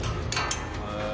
へえ。